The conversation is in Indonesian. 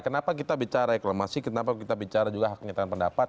kenapa kita bicara reklamasi kenapa kita bicara juga hak menyatakan pendapat